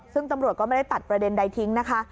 ซึ่งตำรวจก็ไม่ได้ตัดประเด็นใดทิ้งนะคะ